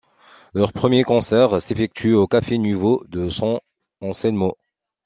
Leur premier concert s'effectue au Caffe Nuvo de San Anselmo.